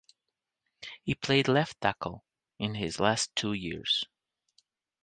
He played left tackle in his last two years.